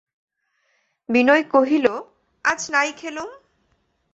বিনয় কহিল, আজ নাই খেলুম।